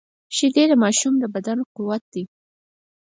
شیدې د ماشوم د بدن قوت دي